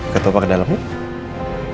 ketua pak ke dalem nih